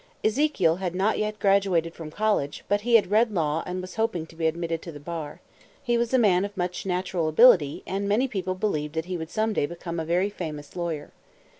Ezekiel had not yet graduated from college, but he had read law and was hoping to be admitted to the bar. He was a man of much natural ability, and many people believed that he would some day become a very famous lawyer.